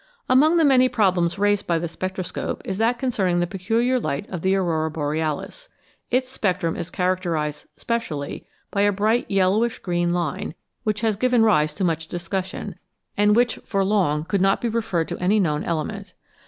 Among the many problems raised by the spectroscope is that concerning the peculiar light of the Aurora Borealis. Its spectrum is characterised specially by a bright yellowish green line, which has given rise to much discussion, and which for long could not be referred to any known element.